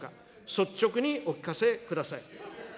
率直にお聞かせください。